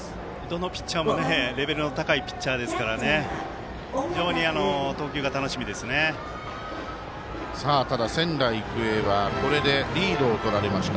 どのピッチャーもレベルの高いピッチャーですからただ、仙台育英はこれでリードをとられました。